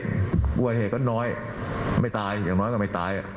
อะอุบัติเห็ดก็น้อยไม่ตายทำไมก็ไม่ตาย